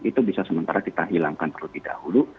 itu bisa sementara kita hilangkan terlebih dahulu